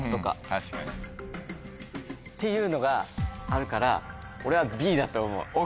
確かに。っていうのがあるから俺はＢだと思う。